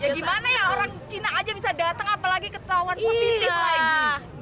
gimana ya orang cina aja bisa datang apalagi ketahuan positif lagi